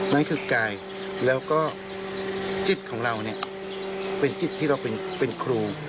นั่นคือกายแล้วก็จิตของเราเนี่ยเป็นจิตที่เราเป็นครู